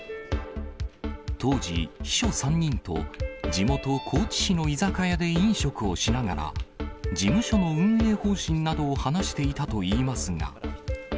当時、秘書３人と地元、高知市の居酒屋で飲食をしながら、事務所の運営方針などを話していたといいますが。